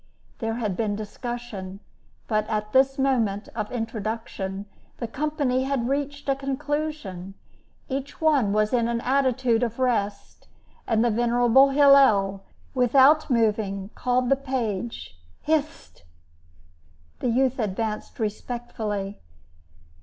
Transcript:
There had been discussion, but at this moment of introduction the company had reached a conclusion; each one was in an attitude of rest, and the venerable Hillel, without moving, called the page. "Hist!" The youth advanced respectfully.